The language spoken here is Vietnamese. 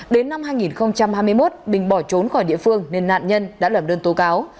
đến năm hai nghìn hai mươi một bình bỏ trốn khỏi địa phương nên nạn nhân đã lẩm đơn tố cáo